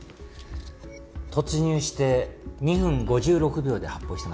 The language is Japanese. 突入して２分５６秒で発砲していますからね。